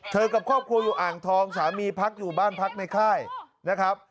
กับครอบครัวอยู่อ่างทองสามีพักอยู่บ้านพักในค่ายนะครับ